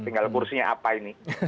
tinggal kursinya apa ini